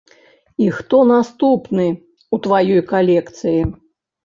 І хто наступны ў тваёй калекцыі?